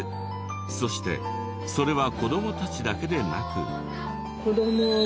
そしてそれは子どもたちだけでなく。